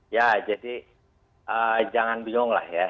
ya jadi jangan bingung lah ya